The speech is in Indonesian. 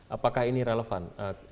apakah ini relevan